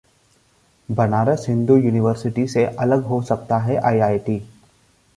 Banaras Hindu university से अलग हो सकता है आईआईटी